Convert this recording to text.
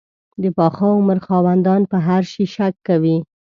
د پاخه عمر خاوندان په هر شي شک کوي.